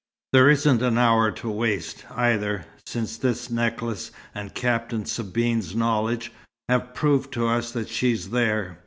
There isn't an hour to waste, either, since this necklace, and Captain Sabine's knowledge, have proved to us that she's there.